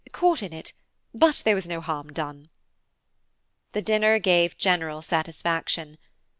–caught in it, but there was no harm done." The dinner gave general satisfaction.